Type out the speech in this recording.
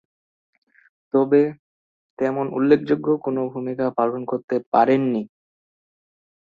তবে, তেমন উল্লেখযোগ্য কোন ভূমিকা পালন করতে পারেননি।